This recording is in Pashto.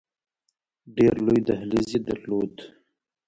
ډېر لوی دهلیز یې درلود.